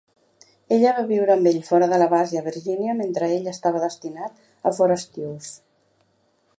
Ella va viure amb ell fora de la base a Virginia mentre ell estava destinat a Fort Eustis.